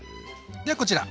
ではこちら。